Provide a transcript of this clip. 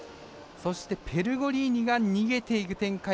そしてペルゴリーニが逃げていく展開。